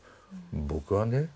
僕はね